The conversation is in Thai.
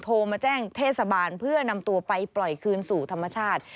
โทรมาแจ้งเทศบาลเพื่อนำตัวไปปล่อยคืนสู่ธรรมชาติ